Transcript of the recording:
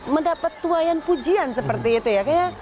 mendapat tuwayan pujian seperti itu ya